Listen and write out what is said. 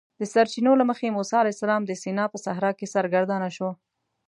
د سرچینو له مخې موسی علیه السلام د سینا په صحرا کې سرګردانه شو.